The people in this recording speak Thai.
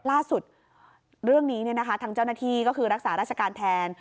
ล่าสุดเรื่องนี้ทางเจ้าหน้าที่ก็คือรักษาราชการแทน